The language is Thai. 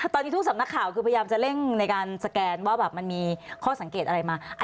ตอนนี้ทุกสำนักข่าวคือพยายามจะเร่งในการสแกนว่าแบบมันมีข้อสังเกตอะไรมา